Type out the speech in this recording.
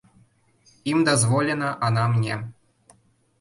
Ім дазволена, а нам не.